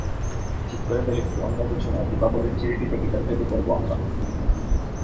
ঠিক করে ফেলি, অন্য কিছু নয়, দীপাবলির চ্যারিটিতে গীতাঞ্জলি পড়ব আমরা।